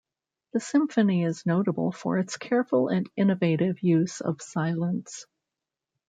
The symphony is notable for its careful and innovative use of silence.